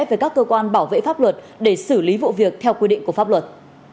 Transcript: với các cơ quan bảo vệ pháp luật để xử lý vụ việc theo quy định của pháp luật